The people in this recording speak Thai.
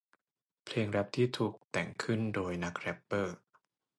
เพลงแร็ปที่ถูกแต่งขึ้นโดยนักแร็ปเปอร์